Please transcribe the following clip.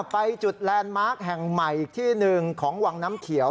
ไปจุดแลนด์มาร์คแห่งใหม่อีกที่หนึ่งของวังน้ำเขียว